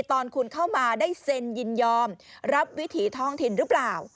ตอนคุณเข้ามาได้เซ็นยินยอมรับวิถีท้องถิ่นหรือเปล่า